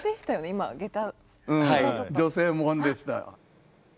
女性ものでした。